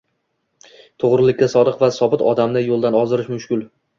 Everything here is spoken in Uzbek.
To’g’rilikka sodiq va sobit odamni yo’ldan ozdirish mushkul.